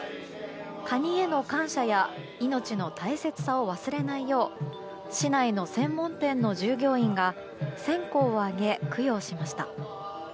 カニへの感謝や命の大切さを忘れないよう市内の専門店の従業員が線香をあげ供養しました。